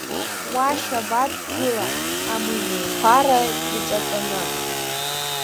Уа Шьабаҭ дгылан, амымеиқәара иҿатәаны.